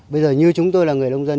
bây giờ như chúng tôi là người nông dân